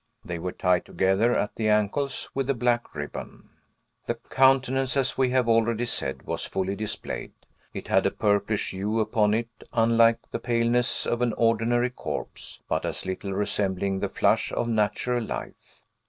They were tied together at the ankles with a black ribbon. The countenance, as we have already said, was fully displayed. It had a purplish hue upon it, unlike the paleness of an ordinary corpse, but as little resembling the flush of natural life.